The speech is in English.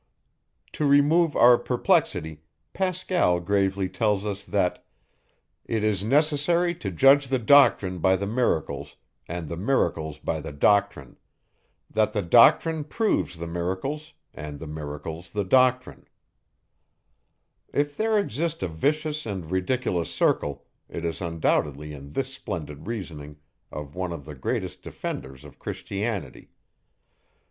To remove our perplexity, Pascal gravely tells us, that _it is necessary to judge the doctrine by the miracles, and the miracles by the doctrine; that the doctrine proves the miracles, and the miracles the doctrine_. If there exist a vicious and ridiculous circle, it is undoubtedly in this splendid reasoning of one of the greatest defenders of Christianity.